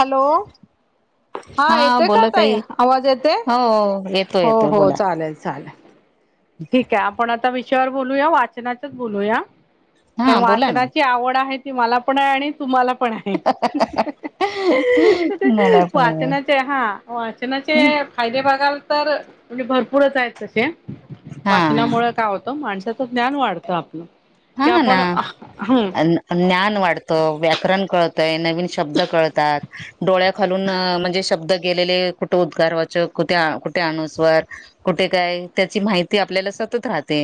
Hello. [inaudible] हा येतोय का ताई आवाज येतोय? हो येतो हो येतो. हो चालेल चालेल. ठीक आहे. आपण आता विषयावर बोलूया वाचनाच्याच बोलूया. कारण हा बोला ना वाचनाची आवड आहे, ती मला पण आहे आणि तुम्हाला पण आहे. मला पण वाचनाचे हा वाचनाचे फायदे बघाल तर म्हणजे भरपूरच आहेत तसे हा वाचनामुळे काय होतं माणसाचं ज्ञान वाढतं आपलं. हा ते ना आपण ह ज्ञान वाढतं व्याकरण कळतं. त नवीन शब्द कळतात डोळ्या खालून म्हणजे शब्द गेलेले कुठे उद्गारवाचक कुठे कुठे अनुस्वार कुठे काय त्याची माहिती आपल्याला सतत राहते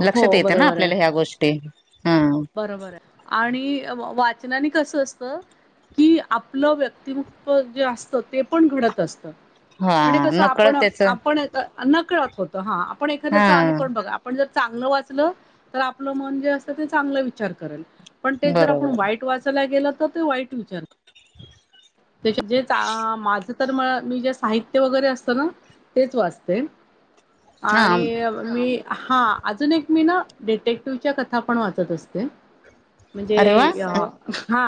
लक्षात हो येतं ना बरोबर आहे आपल्याला ह्या गोष्टी हा बरोबर आहे आणि वाचनाने कसं असत कि आपलं व्यक्तिमत्व जे असतं ते पण घडत असतं म्हणजे हा कसं नकळत आपण त्याच आपण नकळत होत हा आपण एखाद्याच हा अनुकरण बघा पण जर चांगलं वाचलं तर आपलं मन जे असतं ते चांगलं विचार करेल पण ते जर आपण बरोबर वाईट वाचायला गेलं तर ते वाईट विचार त्याच्या जे माझं तर मग मी जे साहित्य वगैरे असतं ना तेच वाचते हा आणि अ मी हा अजून एक मी ना डिटेक्टिव्हच्या कथा पण वाचत असते अरे म्हणजे वा हा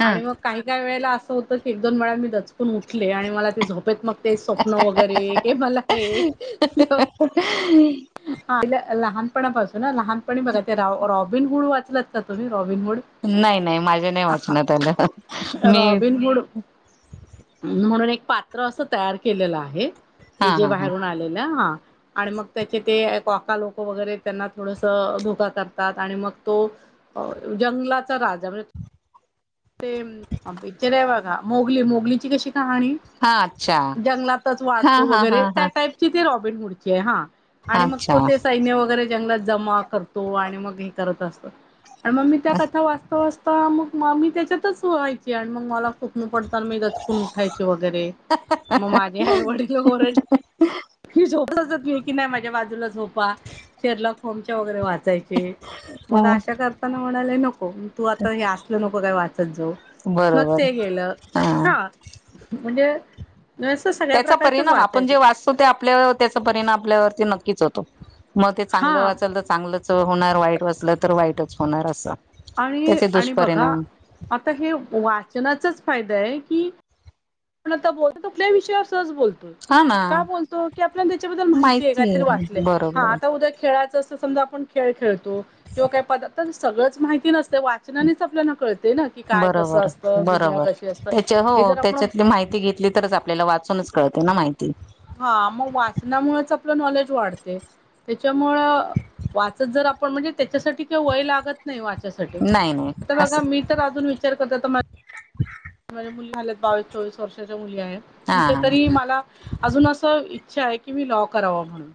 हा आणि मग काही काही वेळेला अस अस होतं की एक दोन वेळा मी दचकून उठले आणि मला ते झोपेत मग ते स्वप्न वगैरे हे मला आहे कुठे आहे मी हा लहानपणापासून ना लहानपणी बघा ते रॉबिन हुड वाचलात का तुम्ही रॉबिनहूड? नाही नाही माझ्या नाही वाचना आलं मी मूड म्हणून एक पात्र असं तयार केलेलं आहे हा की जे हा हा बाहेरून आ लेल आणि मग त्याचे ते अका लोकं वगैरे त्यांना थोडस धोका करतात आणि मग तो जंगलाचा राजा म्हणजे ते पिकच्चर आहे बघा मोगली मोगलीची कशी कहाणी हा अच्छा जंगलातच हा वाढतो हा हा वगैरे त्या हा टाईप ची ति रॉबीन वूड्ची आहे हा आणि मग अच्छा तो सैन्य वगैरे जंगलात जमाव करतो आणि मग हे करत असत आणि मग मी त्या कथा वाचता वाचता ता मग मामी त्याच्यातच व्हायची आणि मग मला स्वप्न पडताना मी दचकून उठायची वगैरे मग माझी आई वडिल ओरडले ही झोपतच [inaudible] कि नाही माझ्या बाजूला झोपा शेरलॉक होमच्या वगैरे वाचायचे अच्छा मग अशा कर [inaudible] म्हणाले नको तू आता हे असलं नको काय वाचत जाऊ मग बरोबर ते गेलं हा म्हणजे नस सगळ्या प्रकारचेच वाचायचे आपल्यावर त्याचा परिणाम आपल्यावर नक्कीच होतो मग ते चांगलं हा वाचा चांगलंच होणार वाईट वाचलं तर वाईटच होणार असं आणि त्याचे आणि बघा दुष्परिणाम आता हे वाचनाचाच फायदा आहे की आपण आता बोलतो कुठल्या विषयावर सहज बोलतो हा ना का बोलतो की आपल्याला त्याच्याबद्दल माहिती आहे काहीतरी वाचलय हा बरोबर आता उद्या खेळायचं अस समजा आपण खेळ खेळतो किंवा काही पदार्थ सगळंच माहिती नसते वाचनानेच आपल्याला कळते ना की काय कसं बरोबर असतं दुनिया बरोबर कशी असतं त्याच्या हो हे जर आपण त्याच्यातली माहिती घेतली तरच आपल्याला वाचूनच कळते ना माहिती हा मग वाचनामुळेच आपलं नॉलेज वाढते त्याच्यामुळं वाचत जर आप पण म्हणजे त्याच्यासाठी वय लागत नाही वाचायसाठी नाही नाही आता बघा असं मी तर अजून विचार करते माझ्या मुली झाल्यात बावीस चोवीस वर्षाच्या मुली आहे ते हा तरी मला अजून असं इच्छा आहे की मी लॉ करावा म्हणून.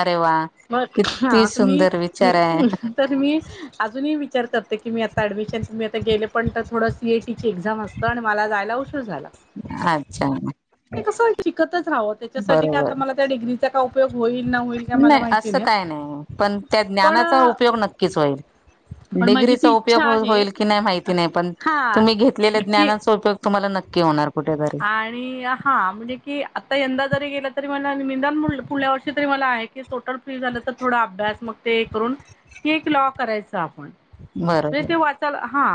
अरे वा. म किती हा तुम्ही सुंदर विचार आहे तर मी अजूनही विचार करते की मी आता ऍडमिशन तुम्ही आता गेले पण तर थोडं सी ए टी चे एक्झाम असतं आणि मला जायला उशिर झाला. अच्छा. ते कसं शिकतच राहावं त्याच्यासाठी काय बरोबर आता मला त्या डिग्रीचा का उपयोग होईल ना होईल काय मला माहिती असं नाही. काय नाही पण त्या पण ज्ञानाचा उपयोग नक्कीच होईल. पण माझी ती डिग्रीचा इच्छा उपयोग आहे होईल की नाही माहिती नाही पण हा तुम्ही घेतलेल्या की ज्ञानाचा उपयोग तुम्हाला नक्की होणार कुठे आणि हां म्हणजे की आता यंदा जरी गेलं तरी मला निदान पुढल्या वर्षी तरी मला आहे की टोटल फ्री झालं तर थोडा अभ्यास मग ते करून केक लॉ करायच आपण. म्हणे बरोबर ते वाचाला हा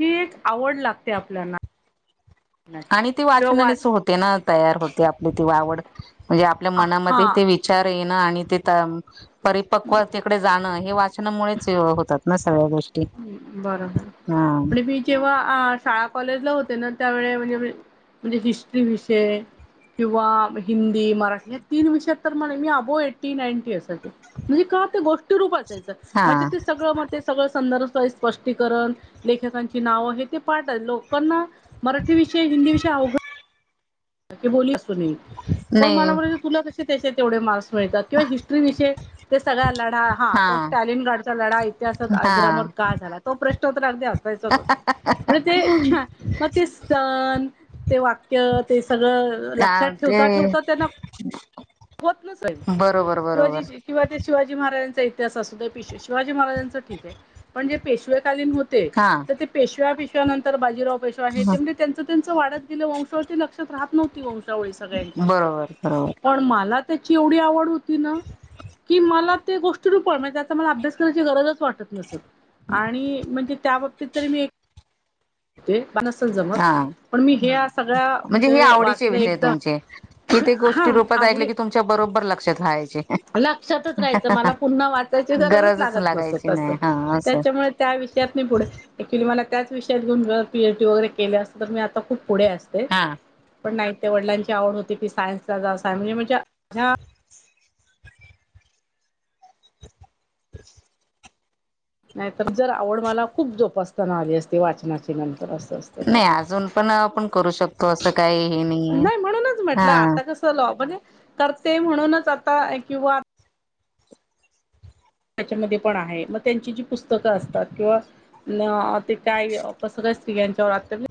ही एक आवड लागते आपल्याना. आणि ती वाचनानेच वाच होते ना तयार होते आपली ती आवड म्हणजे आपल्या मनामध्ये हां ते वी चार येण आणि ते परिपक्वते कडे जाणं हे वा चना मुळेच होतात ना सगळ्या गोष् बरोबर पण मी केव्हा आ शाळा, कॉलेजला होते ना त्यावेळे म्हणजे म्हणजे हिस्ट्री विषय किंवा हिंदी, मराठी या तीन विषयात तर म्ह मी अबो एट्टी नांटी असायची. म्हणजे का ते गोष्टीरूप असायचं हा म्हणजे ते सगळं म ते सगळं संदर्भ स्प स्पष्टीकरण, लेखकांची नावं हे ते पाठ लोकांना मराठी विषयी, हिंदी विषय अवघड की बोली असू पण नाही मला म्हट तुला कसे त्याच्यात तेवढे मार्क्स मिळतात किंवा हिस्ट्री विषय ते सगळा लढा हा तो स्टॅलिन गार्डचा लढा इतिहासात हा आजरामर का झाला? तो प्रश्न तर अगदी असायचाच असायचा. म्हण ते मग ते सण ते वाक्य त ते सगळं हा लक्षात ते ठेवता ठेवता त्यांना होत नसायचं बरोबर बरोबर [unintelligible] किंवा ते शिवाजी महाराजांचा इतिहास असू दे पेशवे शिवाजी महाराजांचं ठीक ए पण जे पेशवेकालीन होत ते हा तर ते पेशव्या पेशव्यानंतर बाजीराव पेशवा आहे ते म्हणजे त्यांच त्यांच वाढत गेलं वंशावळ ते लक्षात राहत नव्हती वंशावळी सगळ्यांच्या बरोबर बरोबर पण मला त्याची एवढी आवड होती ना की मला ते गोष्टीरूप म्हणजे ते आता त्याचा मला अभ्यास कराची गरजच वाटत नसत. आणि म्हणजे त्या बाबतीत तरी मी एक ते का नसल हा जमत पण मी ह्या सगळ्या म्हणजे हे आवडीचे वाचलं विषय एकदा तुमचे की ते हा गोष्टी रूपात ऐकले आवडी की तुमच्या बरोबर लक्षात राहायचे. लक्षातच राहायचं मला पुन्हा वाचायची गरजच लागत लागायची नसत अस नाही हा असं त्याच्या मुळे त्या विषयात मी पुढे ऍक्च्युली मला त्याच विषयात घेऊन जर पी एच डी वगैरे केली असती तर मी आता खूप पुढे असते. हा पण नाही ते वडलांची आवड होती की सायन्स ला जा म्हणजे माझ्या [inaudible] [inaudible] नाही तर जर आवड मला खूप जोपासताना आली असती वाचनाची नंतर असं अस. नाही अजून पण आपण करू शकतो असं काही हे नाहीये हा. चला ओ म्हणजे करते म्हणूनच आता किंवा आत त्याच्यामध्ये पण आहे मग त्यांची जी पुस्तकं असतात किंवा न ते काय [unintelligible] यांच्यावर आत्याचार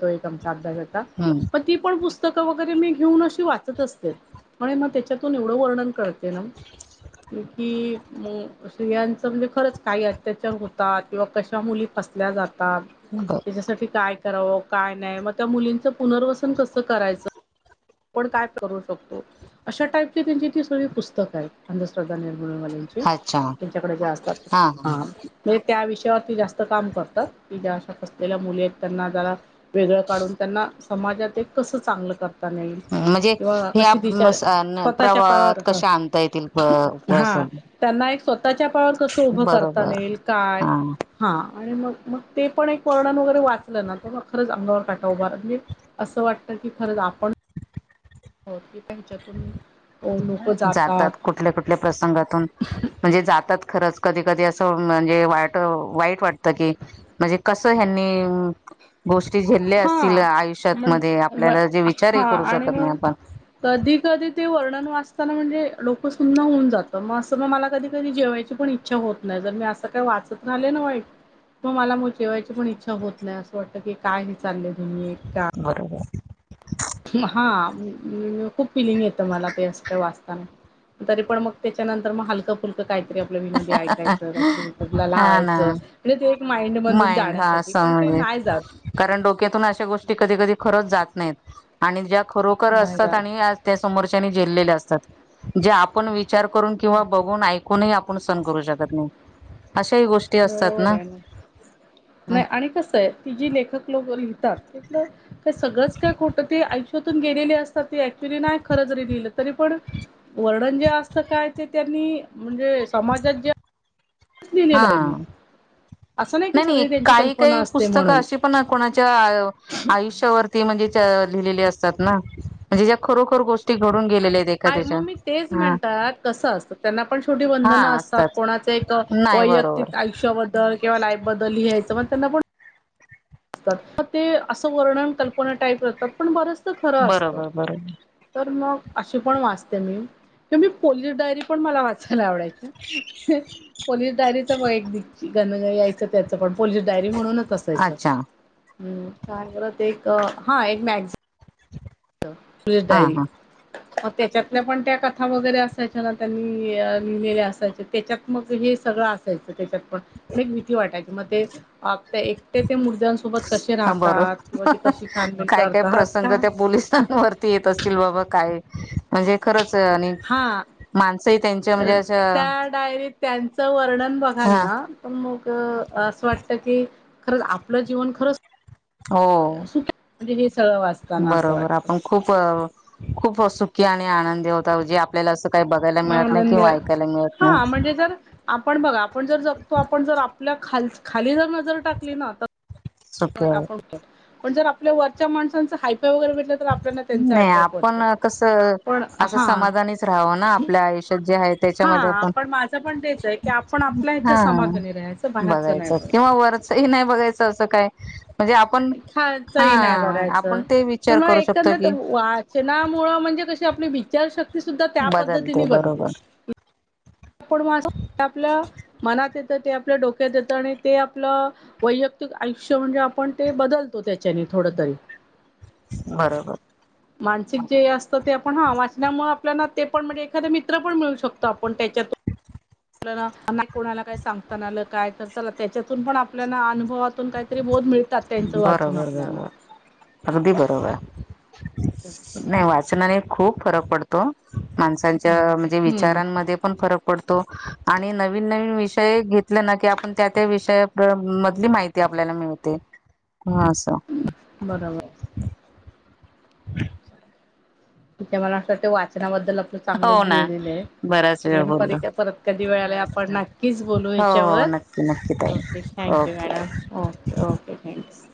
तो एक आमचा अभ्यासाचा. [unintelligible] मगं ती पण पुस्तकं वगैरे मी घेऊन अशी वाचत असते म्हणे मग त्याच्यातून एवढं वर्णन करते ना की मग स्त्रियांचं म्हणजे खरंच काही अत्याचार होतात किंवा कशा मुली फसल्या जातात [unintelligible] त्यांच्यासाठी काय करावं काय नाय मग त्या मुलींचं पुनर्वसन कसं करायचं. आपण काय करू शकतो अशा टाईपची त्यांची ती सगळी पुस्तकं आहेत. अंधश्रद्धा निर्मूलवाल्यांची अच्छा त्यांच्याकडे जे असतात. हा. म्हणजे त्या विषयावर ती जास्त काम करतात की ज्या अशा फसलेल्या मुली आहेत त्यांना जरा वेगळं काढून त्यांना समाजात एक कसं चांगलं करताना येईल. म्हणजे की ह्या कशी दिशा स्वतःच्या पायावर प्रवाहात हं कशा आणता येतील ब बस हा. त्यांना एक स्वतःच्या पायावर कसं उभं करताना बरोबर येईल काय. हा हा आणि मग-मग ते पण एक वर्णन वगैरे वाचलं ना तर मग खरंच अंगावर काटा उभा राहतो मी असं वाटतं की खरंच आपण हो की त्यांच्यातून जातात कुठ कुठल्या-कुठल्या प्रसंगातून म्हणजे जातात खरंच कधी-कधी असं म्हणजे वाट वाईट वाटतं टतं की म्हणजे कसं ह्यांनी गोष्टी झेल्ल्या असतील हा म्हण आयुष्यातमध्ये आपल्याला जे विचारही करू शकत नाई आपण. कधी-कधी ते वर्णन वाचताना म्हणजे डोकं सुन्न होऊन जातं मग असं मग मला कधी कधी जेवायची पण इच्छा इच्छा होत नाही जर मी असं काय वाचत राहिले ना वाईट. मग मला मग जेवायची पण इच्छा होत नाही असं वाटत की काय हे चाललंय दुनियेत का बरोबर. म हा खूप फिलिंग येतं मला ते असं काय वाचताना तरी पण मग त्याच्यानंतर मग हालकं फुलकं काहीतरी आपलं विनोदी ऐकायचं काही तरी युट्युब ला हा ना लावायचं. म्हणजे ते एक माइंडमधून माइंड हा जाण्यासाठी असं पण ते म्हणजे नाय जात. कारण डोक्यातून अशा गोष्टी हं, कधी-कधी खरच जात नाहीत आणि ज्या खरोखर नाही असतात जात. आणि समोरच्याने झेललेल्या असतात जे आपण विचार करून किंवा बघून ऐकू कोणीही आपण सहन करू शकत नाही अशाही गोष्टी असतात बरोबर ना. आहे नाही आणि कसं आहे ती जी लेखक लोक लिहतात तिथलं हे सगळंच काय खोटं ते आयुष्यातून गेलेले असतात ते ऍक्च्युली नाही खरं जरी लिहिलं तरी पण वर्णन जे असत काय ते त्यांनी म्हणजे समाजात जे लिहिलेलं हा आहे त्यांनी असं नाही की सगळी त्यांची काही कल्पना काही असते पुस्तकं म्हणून. अशी पण कोणाच्या आयुष्यावरती म्हणजेच लिहिलेले असतात ना. म्हणजे ज्या खरोखर गोष्टी घडून गेलेल्या आहेत. हाय एखाद्याच्या मग मी तेच हा म्हणताय कसं असतं त्यांना पण छोटी वंधनं असतात कोणाच एक नाही बरोबर वैयक्तिक आयष्याबद्दल किंवा लाईफ बद्दल लिहायचं म्हण त्यांना पण [unintelligible] ते असं वर्णन कल्पना टाईप करतात पण बरंचदा खरं असत. बरोबर बरोबर तर मग अशी पण वाचते मी कि मी पोलीस डायरी पण मला वाचायला आवडायची. पोलीस डायरीच व एक दि घन यायचं [unintelligible] त्याच पण पोलीस डायरी म्हणूनच असायचं अच्छा ह् काण [unintelligible] करत [unintelligible] एक हा एक मॅगझीन हा डायरी हा मग त्याच्यातल्या पण त्या कथा वगैरे असायच्या ना त्यांनी [inaudible] लिहिलेल्या असायच्या त्याच्यात मग हे सगळं असायचं त्याच्यात पण मग एक [unintelligible] भीती वाटायची मग ते त्या एकट्या ते मुृद्यांसोबत कसे हा राहतात किंवा बरोबर ते कशी छानबन [unintelligible] काय काय करतात प्रसंग का त्या पोलिसांवरती येत असतील बाबा काय म्हणजे खरंच आणि हा माणसंही त्यांची त्या डायरीत त्यांचं वर्णन बघाल हा ना तर मग असं वाटत की खरचं आपलं जीवन खरचं हो हे सगळं वाचताना असं बरोबर आपण वाटतं खूप खूप सुखी आणि आनंदी होता [unintelligible] जे आपल्याला असं काही बघायला मिळत नाही आनंद किंवा ऐकायला मिळत हा नाही म्हणजे जर आपण बघा आपण जर जगतो. आपण जर आपल्या खाली, खाली जर नजर टाकली ना तर सुखी तोंडावर [inaudible] आहोत पडतो पण जर आपल्यार माणसचं हायफ वगैरे भेटलं तर आपल्याला त्यांचा नाही अट्रॅक्ट आपण वाटतो कस पण अस हा समाधानीच राहावं ना आपल्या आयुष्यात जे आहेत त्याच्यामध्ये हा आपण पण माझं पण तेच आहे की आपण आपल्या ह्याच्या हा समाधानी राहायचं बाहेरचं बघायच नाही बघ किंवा वरच [unintelligible] नाही बघायचं असं काय म्हणजे आपण हा खायचंही नाही बघायचं आपण ते विचार करू शकतो की सणामुळं म्हणजे कशी आपली विचारशक्ती सुद्धा त्या बदलते पद्धतीने बनते बरोबर पण माझ्या [unintelligible] मनात येत ते आपल्या डोक्यात येतं आणि ते आपलं वैयक्तिक आयुष्य म्हणजे आपण ते बदलतो त्याच्याने थोडं तरी बरोबर [unintelligible] मानसिक जे असतं ते आपण हा वाचनामुळे आपल्याला ते पण म्हणजे एखाद मित्र पण मिळू शकतो आपणाला त्याच्यात कोणाला काय सांगताना आलं काय [unintelligible] तर चला त्याच्यातून पण आपल्याला अनुभवातून काय री बोध मिळतात त्यांच [unintelligible] वाचून बरोबर आपल्याला बरोबर अगदी बरोबर असंच असतं. नाही वाचनाने खूप फरक पडतो. माणसांच्या म्हणजे हम्म, विचारांमध्ये पण फरक पडतो आणि नवीन नवीन विषय घेतले ना की आपण त्या त्या विषयामधली माहिती ते आपल्याला मिळते ह अस बरोबर हम् [unintelligible] ति मला [unintelligible] असतं ते वाचनाबद्दल हो चांगलंच ना भरलेलं [unintelligible] बराच आहे वेळ बोललो कार [unintelligible] परत कधी वेळाला आपण नक्कीच बोलू हो हो याच्यावर नक्की नक्की ताई okay thank you okay madam okay okay thanks